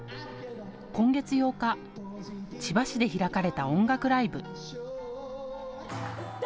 今月８日、千葉市で開かれた音楽ライブ。